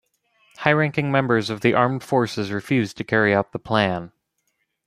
High-ranking members of the Armed Forces refused to carry out the Plan.